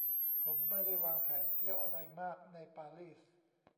ผมไม่ได้วางแผนเที่ยวอะไรมากในปารีส